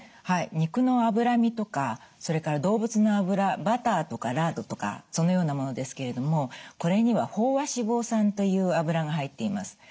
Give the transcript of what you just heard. はい肉の脂身とかそれから動物の脂バターとかラードとかそのようなものですけれどもこれには飽和脂肪酸という脂が入っています。